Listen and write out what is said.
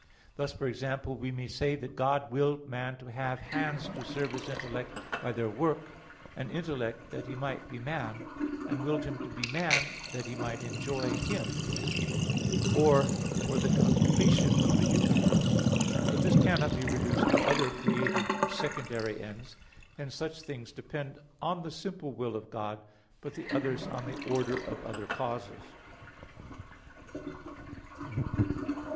Thus, for example, we may say that God willed man to have hands to serve his intellect by their work, and intellect, that he might be man; and willed him to be man that he might enjoy Him, or for the completion of the universe. But this cannot be reduced to other created secondary ends. Hence such things depend on the simple will of God; but the others on the order of other causes.